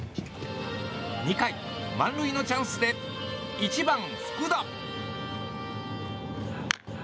２回、満塁のチャンスで１番、福田。